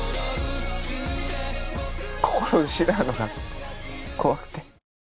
こころを失うのが怖くて。